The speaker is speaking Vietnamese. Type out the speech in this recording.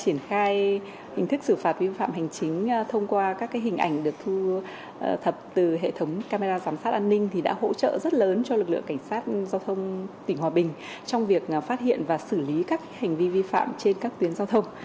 triển khai hình thức xử phạt vi phạm hành chính thông qua các hình ảnh được thu thập từ hệ thống camera giám sát an ninh thì đã hỗ trợ rất lớn cho lực lượng cảnh sát giao thông tỉnh hòa bình trong việc phát hiện và xử lý các hành vi vi phạm trên các tuyến giao thông